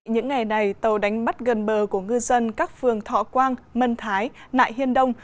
những ngày này tàu đánh bắt gần bờ của ngư dân các phường thọ quang mân thái nại hiên đông